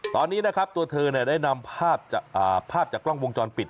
ตอนนี้นะครับตัวเธอได้นำภาพจากกล้องวงจรปิด